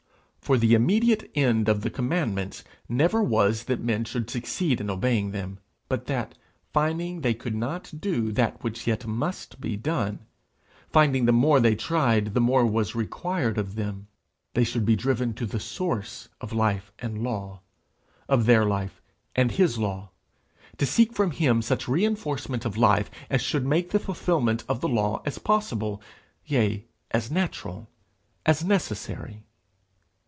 For the immediate end of the commandments never was that men should succeed in obeying them, but that, finding they could not do that which yet must be done, finding the more they tried the more was required of them, they should be driven to the source of life and law of their life and his law to seek from him such reinforcement of life as should make the fulfilment of the law as possible, yea, as natural, as necessary.